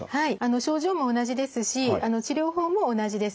症状も同じですし治療法も同じです。